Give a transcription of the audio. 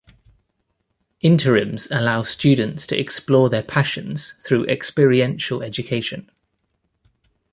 Interims allow students to explore their passions through experiential education.